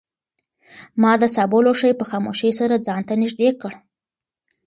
ما د سابو لوښی په خاموشۍ سره ځان ته نږدې کړ.